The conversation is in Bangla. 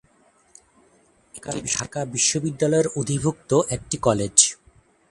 এটি ঢাকা বিশ্ববিদ্যালয়ের অধিভুক্ত একটি কলেজ।